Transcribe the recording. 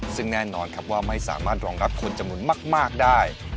ซึ่งแน่นอนครับว่าไม่สามารถรองรับคนจำนวนมากได้